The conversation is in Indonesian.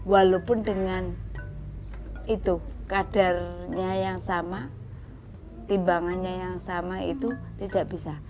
walaupun dengan itu kadarnya yang sama timbangannya yang sama itu tidak bisa